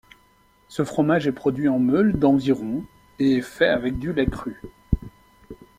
Ce fromage est produit en meules d'environ et est fait avec du lait cru.